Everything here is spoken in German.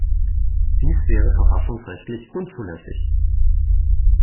Dies wäre verfassungsrechtlich unzulässig.